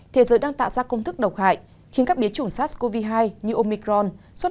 thế giới đang tạo ra công thức độc hại khiến các biến chủng sars cov hai như omicron xuất